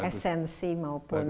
esensi maupun tujuannya